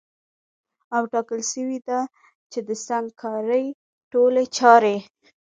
او ټاکل سوې ده چي د سنګکارۍ ټولي چاري